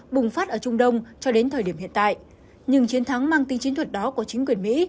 bùng phát ở trung đông cho đến thời điểm hiện tại nhưng chiến thắng mang tính chiến thuật đó của chính quyền mỹ